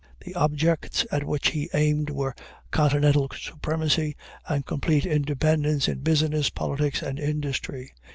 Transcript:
The objects at which he aimed were continental supremacy, and complete independence in business, politics, and industry.